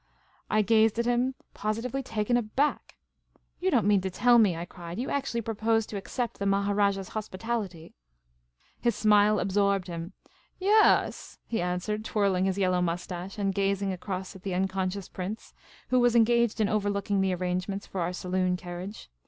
I gazed at him, positively taken aback. " You don't mean to tell me," I cried, " you actually propose to accept the Maharajah's hospitality ?" His smile absorbed him. " Yaas," he answered, twirling his yellow moustache, and gazing across at the unconscious prince, who was engaged in overlooking the arrangements for our saloon carriage.